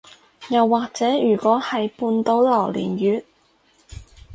又或者如果係半島榴槤月